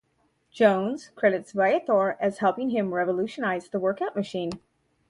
Jones credits Viator as helping him revolutionize the workout machine.